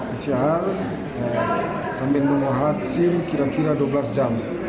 pcr sambil menguat sim kira kira dua belas jam